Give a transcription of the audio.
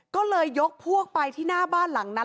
ก็เลยยกพวกไปที่หน้าบ้านหลังนั้น